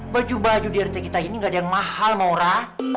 baju baju di rt kita ini gak ada yang mahal maura